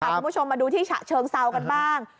คุณผู้ชมมาดูที่ฉะเชิงเซากันบ้าง